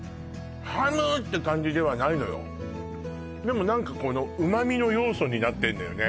「ハム！」って感じではないのよでも何かこの旨みの要素になってんのよね